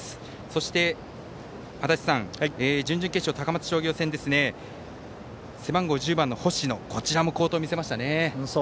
そして、足達さん準々決勝、高松商業戦背番号１０番の星野も好投を見せましたね。